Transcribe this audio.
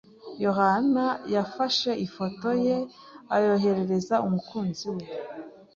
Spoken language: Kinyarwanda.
yohani yafashe ifoto ye ayyoherereza umukunzi we.